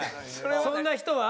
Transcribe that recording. そんな人は？